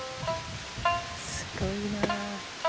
すごいな。